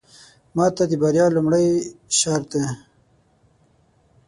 ماته د بريا لومړې شرط دی.